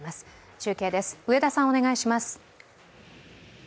中継です、上田さん、お願いします。